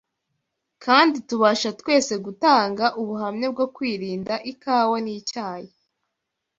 Kandi tubasha twese gutanga ubuhamya bwo kwirinda ikawa n’icyayi